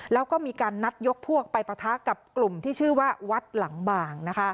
แล้วก็มีการนัดยกพวกไปปะทะกับกลุ่มที่ชื่อว่าวัดหลังบาง